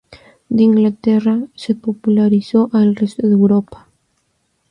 De Inglaterra, se popularizó al resto de Europa.